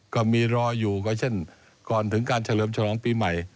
ก็มีรออยู่ก็เช่นก่อนถึงการเฉลิมฉลองปีใหม่